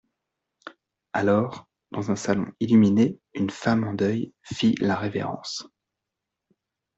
Alors, dans un salon illuminé, une femme en deuil fit la révérence.